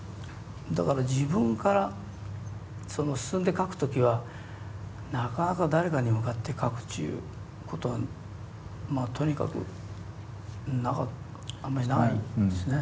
だから自分から進んで書く時はなかなか誰かに向かって書くっちゅうことはまあとにかくあんまりないですね。